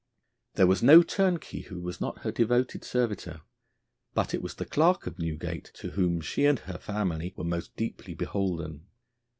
There was no turnkey who was not her devoted servitor, but it was the clerk of Newgate to whom she and her family were most deeply beholden.